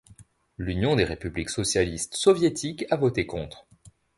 L'Union des républiques socialistes soviétiques a voté contre.